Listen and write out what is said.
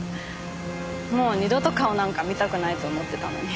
もう二度と顔なんか見たくないと思ってたのに。